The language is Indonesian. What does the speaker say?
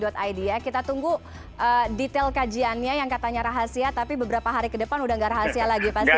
amnesty id ya kita tunggu detail kajiannya yang katanya rahasia tapi beberapa hari ke depan sudah enggak rahasia lagi pastinya ya